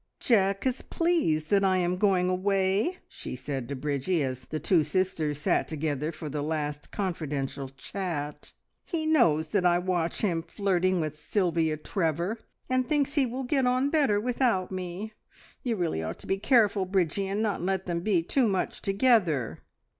"Jack is pleased that I am going away!" she said to Bridgie as the two sisters sat together for the last confidential chat. "He knows that I watch him flirting with Sylvia Trevor, and thinks he will get on better without me. You really ought to be careful, Bridgie, and not let them be too much together!"